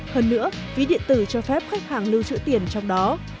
hơn nữa ví điện tử cho phép khách hàng lưu trữ tiền trong đó